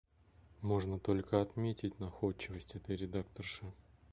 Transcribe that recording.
Можно только отметить находчивость этой редакторши.